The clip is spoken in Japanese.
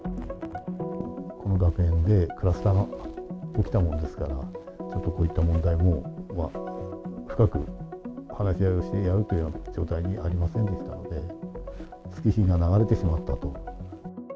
この学園でクラスターが起きたもんですから、ちょっとこういった問題を深く話し合いをやるという状態にありませんでしたので、月日が流れてしまったと。